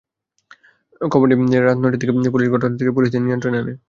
খবর পেয়ে রাত নয়টার দিকে পুলিশ ঘটনাস্থলে গিয়ে পরিস্থিতি নিয়ন্ত্রণে আনে।